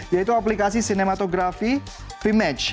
yaitu aplikasi cinematography vimage